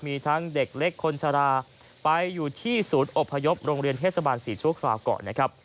มีทั้งเด็กเล็กคนชะลาไปอยู่ที่ศูนย์อบพยพโรงเรียนเทศบาล๔ชั่วคราวก่อนนะครับ